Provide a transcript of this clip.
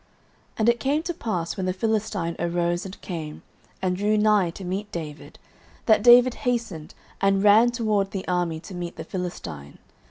09:017:048 And it came to pass, when the Philistine arose, and came, and drew nigh to meet David, that David hastened, and ran toward the army to meet the Philistine.